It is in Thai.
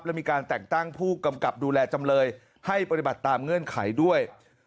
และมีการแต่งตั้งผู้กำกับดูแลจำเลยให้ปฏิบัติตามเงื่อนไขด้วย